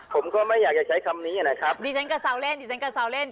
ผมก็ไม่อยากจะใช้คำนี้นะครับดิฉันกระเซาเล่นดิฉันกระเซาเล่น